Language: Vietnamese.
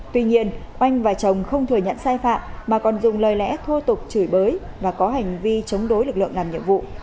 tuy nhiên oanh và chồng không thừa nhận sai phạm mà còn dùng lời lẽ thô tục chửi bới và có hành vi chống đối lực lượng làm nhiệm vụ